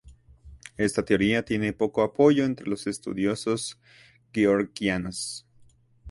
Esta teoría tiene poco apoyo entre los estudiosos georgianos.